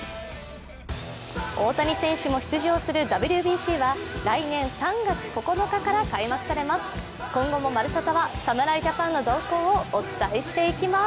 大谷選手も出場するＷＢＣは来年３月９日から開幕されます。